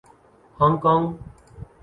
Hong Kong